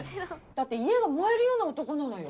だって家が燃えるような男なのよ？